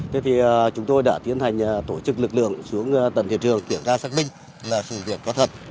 thì chúng tôi đã tiến hành tổ chức lực lượng xuống tầng thị trường kiểm tra xác minh là sự việc có thật